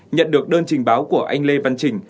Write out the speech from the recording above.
nhận được đơn trình báo của anh lê văn trình